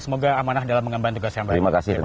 semoga amanah dalam mengemban tugas yang baik